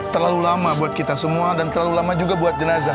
terlalu lama buat kita semua dan terlalu lama juga buat jenazah